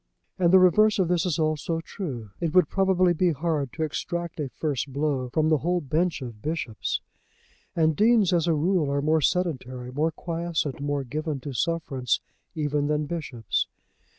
And the reverse of this is also true. It would probably be hard to extract a first blow from the whole bench of bishops. And deans as a rule are more sedentary, more quiescent, more given to sufferance even than bishops.